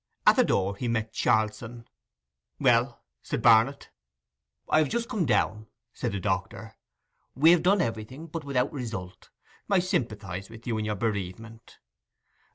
At the door he met Charlson. 'Well!' Barnet said. 'I have just come down,' said the doctor; 'we have done everything, but without result. I sympathize with you in your bereavement.